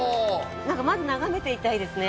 まず眺めていたいですね。